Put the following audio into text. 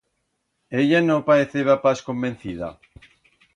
Ella no paeceba pas convencida.